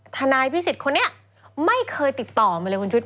นายพิสิทธิ์คนนี้ไม่เคยติดต่อมาเลยคุณชุด